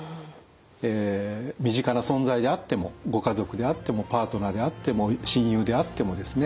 身近な存在であってもご家族であってもパートナーであっても親友であってもですね